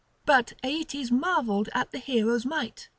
But Aeetes marvelled at the hero's might.